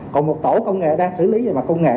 còn một tổ công nghệ đang xử lý về mặt công nghệ